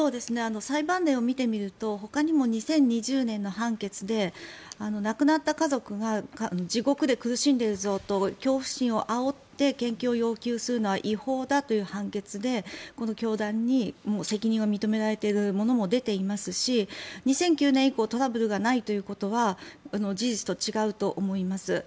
裁判例を見てみるとほかにも２０２０年の判決で亡くなった家族が地獄で苦しんでるぞと恐怖心をあおって献金を要求するのは違法だという判決でこの教団に責任を認められているものも出ていますし２００９年以降トラブルがないということは事実と違うと思います。